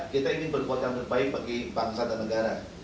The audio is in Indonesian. kita ingin berbuat yang terbaik bagi bangsa dan negara